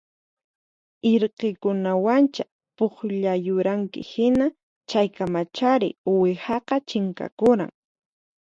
Irqikunawancha pukllayuranki hina chaykamachari uwihaqa chinkakuran